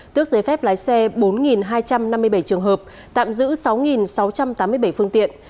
tước giấy phép lái xe bốn hai trăm năm mươi bảy trường hợp tạm giữ sáu sáu trăm tám mươi bảy phương tiện